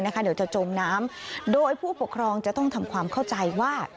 เดี๋ยวจะจมน้ำโดยผู้ปกครองจะต้องทำความเข้าใจว่า